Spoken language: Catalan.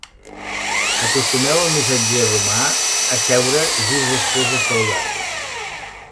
Acostumeu el missatger romà a seure just després de saludar-vos.